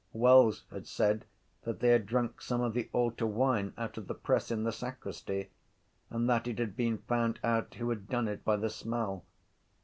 Wells had said that they had drunk some of the altar wine out of the press in the sacristy and that it had been found out who had done it by the smell.